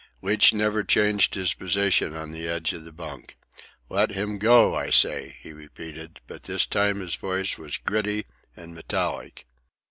Leach never changed his position on the edge of the bunk. "Let him go, I say," he repeated; but this time his voice was gritty and metallic.